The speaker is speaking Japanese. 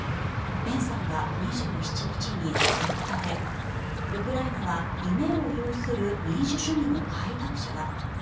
ペンさんは２７日にツイッターでウクライナは夢を擁する民主主義の開拓者だ